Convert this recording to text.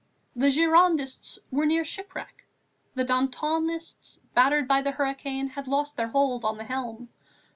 The Girondists were near shipwreck; the Dantonists, battered by the hurricane, had lost their hold on the helm.